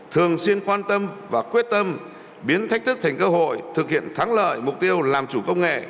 thường xuyên quan tâm và quyết tâm biến thách thức thành cơ hội thực hiện thắng lợi mục tiêu làm chủ công nghệ